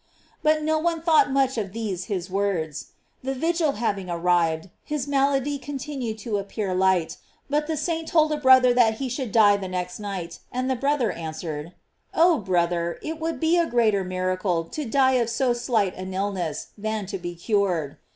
But no one thought much of these his words. The vigil having arrived, his malady continued to appear light, but the saint told a brother that he should die the next night, and the brother an swered: "Oh, brother, it would be a greater mira cle to die of so slight an illness, than to be cured."